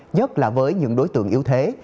nhất là với những đối tượng yếu thế